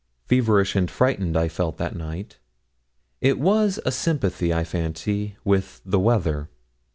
Feverish and frightened I felt that night. It was a sympathy, I fancy, with the weather.